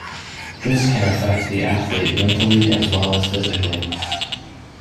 This can affect the athlete mentally as well as physically.